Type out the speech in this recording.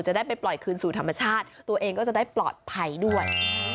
ได้ไปปล่อยคืนสู่ธรรมชาติตัวเองก็จะได้ปลอดภัยด้วย